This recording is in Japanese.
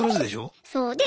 そう。